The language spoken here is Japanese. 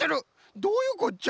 どういうこっちゃ！？